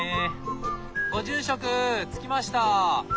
ご住職着きました！